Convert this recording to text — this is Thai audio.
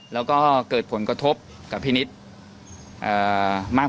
สวัสดีครับคุณผู้ชม